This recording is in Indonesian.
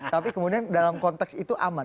tapi kemudian dalam konteks itu aman